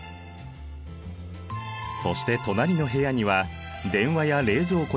そして隣の部屋には電話や冷蔵庫や洗濯機。